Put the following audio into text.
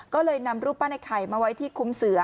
ก็เลยนำรูปปั้นไอ้ไข่มาไว้ที่คุ้มเสือ